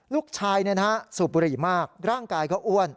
ลูกชายเนี่ยนะสูบบุรีมากร่างกายก็อ้วน